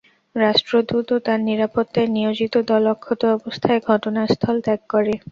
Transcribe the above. রাষ্ট্রদূত ও তাঁর নিরাপত্তায় নিয়োজিত দল অক্ষত অবস্থায় ঘটনাস্থল ত্যাগ করে।